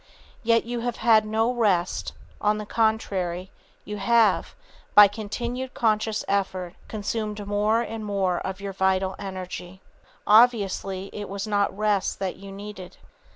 Yet you have had no rest; on the contrary, you have, by continued conscious effort, consumed more and more of your vital energy_. [Sidenote: The Spur of Desire] Obviously it was not rest that you needed.